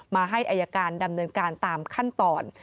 มาให้อายการดำเนินการตามขั้นตอน